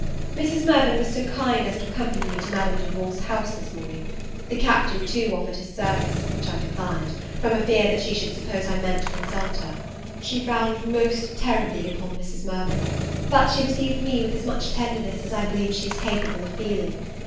Mrs. Mirvan was so kind as to accompany me to Madame Duval's house this morning. The Captain, too, offered his service; which I declined, from a fear she should suppose I meant to insult her. She frowned most terribly upon Mrs. Mirvan; but she received me with as much tenderness as I believe she is capable of feeling.